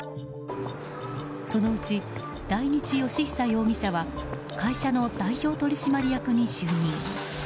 そのうち、大日睦久容疑者は会社の代表取締役に就任。